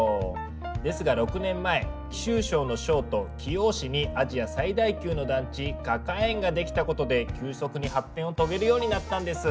ですが６年前貴州省の省都貴陽市にアジア最大級の団地花果園が出来たことで急速に発展を遂げるようになったんです。